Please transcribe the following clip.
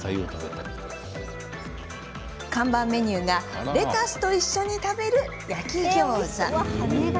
看板メニューがレタスと一緒に食べる焼きギョーザ。